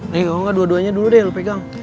nih kalau gak dua duanya dulu deh lu pegang